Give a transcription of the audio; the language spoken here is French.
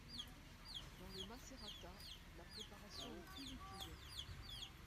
Dans le Macerata, la préparation est plus liquide.